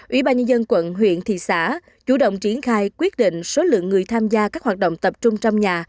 ubnd quận huyện thị xã chủ động triển khai quyết định số lượng người tham gia các hoạt động tập trung trong nhà